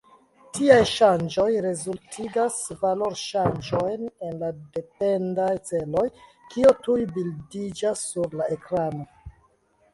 Tiaj ŝanĝoj rezultigas valorŝanĝojn en la dependaj ĉeloj, kio tuj bildiĝas sur la ekrano.